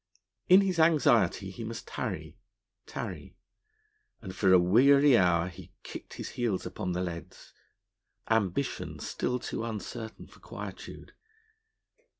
In his anxiety he must tarry tarry; and for a weary hour he kicked his heels upon the leads, ambition still too uncertain for quietude.